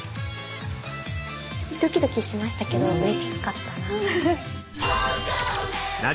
ドキドキしましたけどうれしかったな。